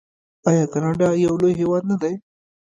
آیا کاناډا یو لوی هیواد نه دی؟